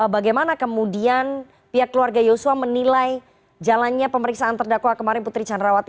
bagaimana kemudian pihak keluarga yosua menilai jalannya pemeriksaan terdakwa kemarin putri candrawati